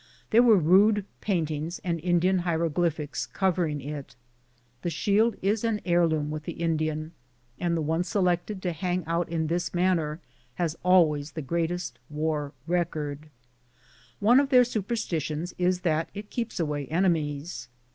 There were rude paintings and Indian hieroglyphics covering it. The shield is an heirloom with the Indian, and the one selected to hang out in this manner has al A VISIT TO THE VILLAGE OF "TWO BEARS." 63 ways the greatest war record. One of their supersti tions is that it keeps away enemies.